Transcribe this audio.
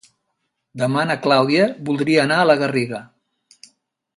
Demà na Clàudia voldria anar a la Garriga.